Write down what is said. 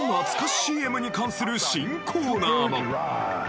ＣＭに関する新コーナーも！